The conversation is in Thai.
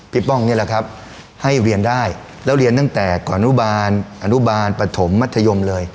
ป้องนี่แหละครับให้เรียนได้แล้วเรียนตั้งแต่ก่อนอนุบาลอนุบาลปฐมมัธยมเลย